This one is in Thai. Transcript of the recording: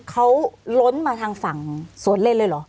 เขาล้นมาทางฝั่งสวนเล่นเลยเหรอ